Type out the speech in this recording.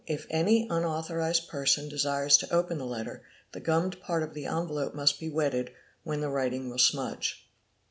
If any unauthorized person desires to open the letter, the mummed part of the envelope must be wetted, when the writing will smudge.